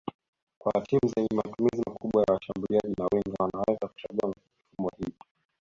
Kwa timu zenye matumizi makubwa ya washambuliaji na winga wanaweza kuchagua mifumo hii